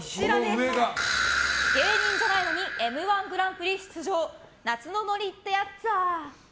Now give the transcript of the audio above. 芸人じゃないのに「Ｍ‐１グランプリ」出場！夏のノリってやっぅあ。